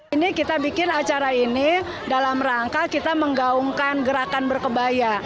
ini kita bikin acara ini dalam rangka kita menggaungkan gerakan berkebaya